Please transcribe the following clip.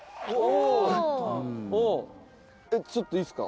ちょっといいっすか？